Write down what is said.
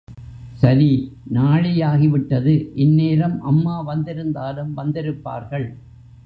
சரி, நாழியாகிவிட்டது இந்நேரம் அம்மா வந்திருந்தாலும் வந்திருப்பார்கள்.